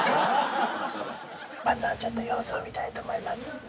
まずはちょっと様子を見たいと思います。